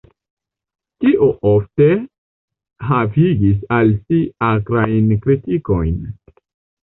Kio ofte havigis al si akrajn kritikojn.